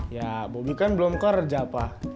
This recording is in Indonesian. ya bobi kan belum kerja pak